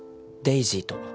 デイジーと。